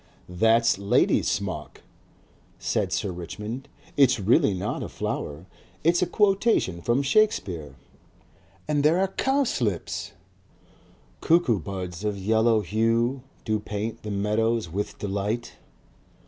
"That's lady's smock," said Sir Richmond. "It's not really a flower; it's a quotation from Shakespeare." "And there are cowslips!" "CUCKOO BUDS OF YELLOW HUE. DO PAINT THE MEADOWS WITH DELIGHT.